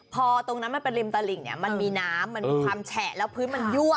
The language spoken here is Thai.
พอตรงนั้นมันเป็นริมตลิ่งเนี่ยมันมีน้ำมันมีความแฉะแล้วพื้นมันยั่ว